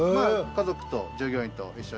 家族と従業員と一緒に。